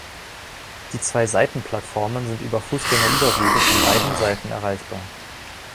Die zwei Seitenplattformen sind über Fußgängerüberwege von beiden Seiten erreichbar.